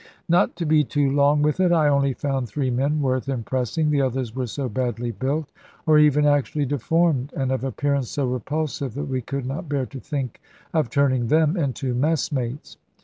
Not to be too long with it, I only found three men worth impressing; the others were so badly built, or even actually deformed, and of appearance so repulsive that we could not bear to think of turning them into messmates.